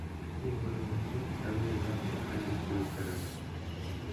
Тик бының өсөн тәүҙә газ үткәргес төҙөү кәрәк.